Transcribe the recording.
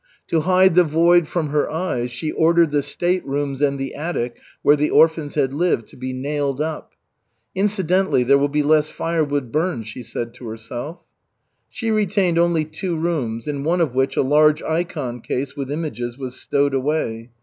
To hide the void from her eyes, she ordered the state rooms and the attic where the orphans had lived to be nailed up. "Incidentally, there will be less firewood burned," she said to herself. She retained only two rooms, in one of which a large ikon case with images was stowed away.